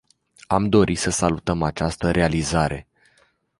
Am dori să salutăm această realizare.